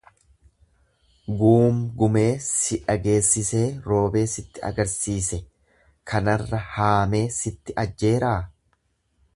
Guumgumee si dhageessisee roobee sitti agarsiise, kanarra haamee sitti ajjeeraa.